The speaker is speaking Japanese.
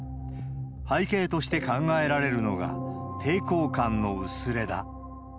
背景として考えられるのが、抵抗感の薄れだ。